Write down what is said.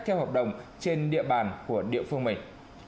theo hợp đồng trên địa bàn của địa phương mình